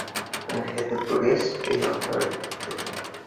Бына һеҙҙе күргәс, өй яҡтырып китте.